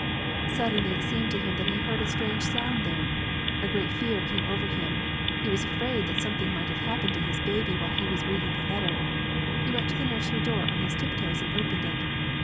Suddenly, it seemed to him that he heard a strange sound there. A great fear came over him ; he was afraid that some thing might have happened to his baby while he was reading the letter. He went to the nursery door on his tiptoes, and opened it.